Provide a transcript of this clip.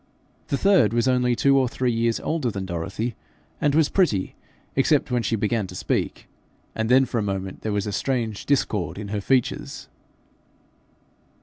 The third was only two or three years older than Dorothy, and was pretty, except when she began to speak, and then for a moment there was a strange discord in her features.